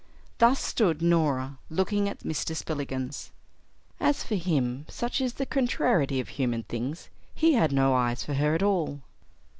Thus stood Norah looking at Mr. Spillikins. As for him, such is the contrariety of human things, he had no eyes for her at all.